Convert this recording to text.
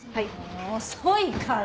遅いから！